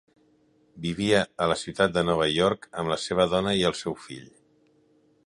Vivia a la ciutat de Nova York amb la seva dona i el seu fill.